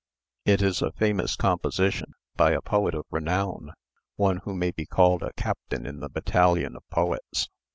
It is a famous composition, by a poet of renown, one who may be called a captain in the battalion of poets."